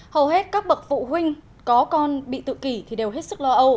hầu hết các bậc phụ huynh có con bị tự kỷ thì đều hết sức lo âu